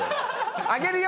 あげるよ